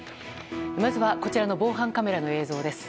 まずはこちらの防犯カメラの映像です。